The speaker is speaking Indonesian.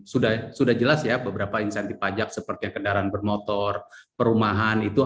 sudah jelas ya beberapa insentif pajak seperti kendaraan bermotor perumahan itu